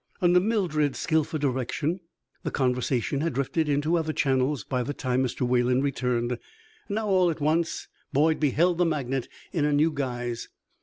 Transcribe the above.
Under Mildred's skilful direction the conversation had drifted into other channels by the time Mr. Wayland returned. Now, all at once, Boyd beheld the magnate in a new guise.